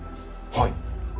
はい。